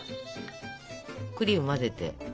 クリーム混ぜて。